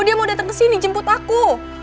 dia mau datang kesini jemput aku